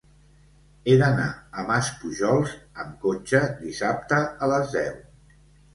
He d'anar a Maspujols amb cotxe dissabte a les deu.